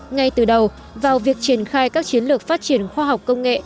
ngay từ đầu vào việc triển khai các chiến lược phát triển khoa học công nghệ